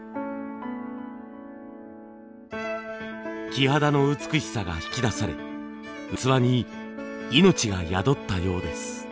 木肌の美しさが引き出され器に命が宿ったようです。